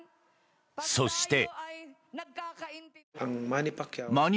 そして。